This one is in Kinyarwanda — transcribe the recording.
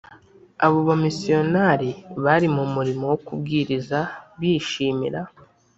abo bamisiyonari bari mu murimo wo kubwiriza bishimira